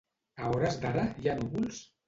A hores d'ara, hi ha núvols?